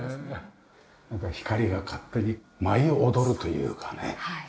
なんか光が勝手に舞い踊るというかね。